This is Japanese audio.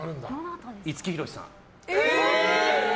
五木ひろしさん。